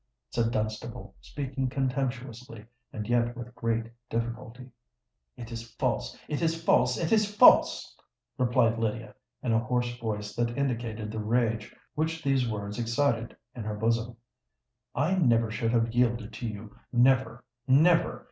said Dunstable, speaking contemptuously, and yet with great difficulty. "It is false—it is false—it is false!" replied Lydia, in a hoarse voice that indicated the rage which these words excited in her bosom. "I never should have yielded to you: never—never!